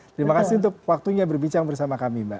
terima kasih untuk waktunya berbicara bersama kami mbak